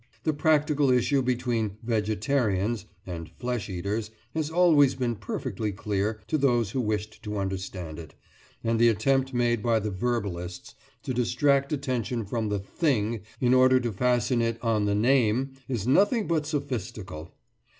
The practical issue between "vegetarians" and flesh eaters has always been perfectly clear to those who wished to understand it, and the attempt made by the verbalists to distract attention from the thing in order to fasten it on the name is nothing but sophistical.